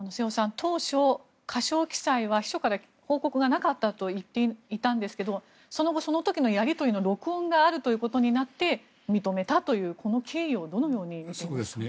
当初、過少記載は秘書から報告がなかったと言っていたんですがその後、その時のやり取りの録音があるということになって認めたというこの経緯をどのように見ていますか？